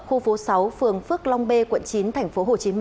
khu phố sáu phường phước long b quận chín tp hcm